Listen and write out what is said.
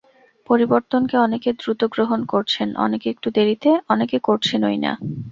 পরিবর্তনকে অনেকে দ্রুত গ্রহণ করছেন, অনেকে একটু দেরিতে, অনেকে করছেনই না।